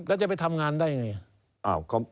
แล้วจะไปทำงานได้ไง